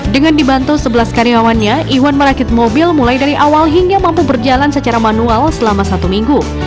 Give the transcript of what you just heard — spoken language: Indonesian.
dengan dibantu sebelas karyawannya iwan merakit mobil mulai dari awal hingga mampu berjalan secara manual selama satu minggu